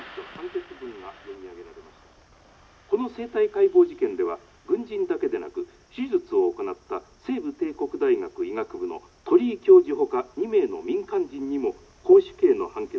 「この生体解剖事件では軍人だけでなく手術を行った西部帝国大学医学部の鳥居教授ほか２名の民間人にも絞首刑の判決が下されました」。